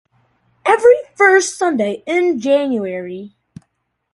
Every first Sunday in January.